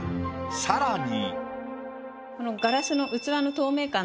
さらに。